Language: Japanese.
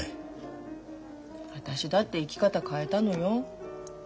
私だって生き方変えたのよ。